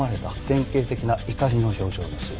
典型的な怒りの表情です。